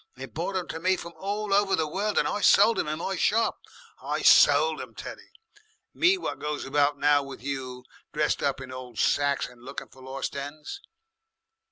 They brought 'em to me from all over the world, and I sold 'em in my shop. I sold 'em, Teddy! me what goes about now with you, dressed up in old sacks and looking for lost 'ens.